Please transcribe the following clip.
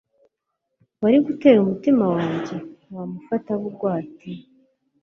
wari gutera umutima wanjye? wamufata bugwate